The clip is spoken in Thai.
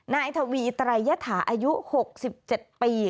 นายทวีไตรยฐาอายุ๖๗ปี